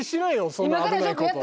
そんな危ないこと。